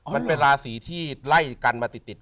มันเป็นราศีที่ไล่กันมาติด